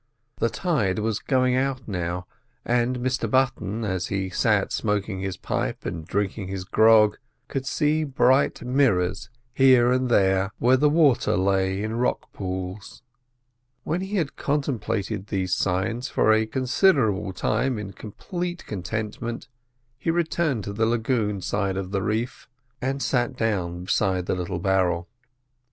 The tide was going out now, and Mr Button, as he sat smoking his pipe and drinking his grog, could see bright mirrors here and there where the water lay in rock pools. When he had contemplated these sights for a considerable time in complete contentment, he returned to the lagoon side of the reef and sat down beside the little barrel.